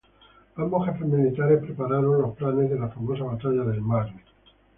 Ambos jefes militares prepararon los planos de la famosa batalla del Marne.